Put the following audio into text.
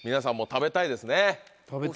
食べたいです。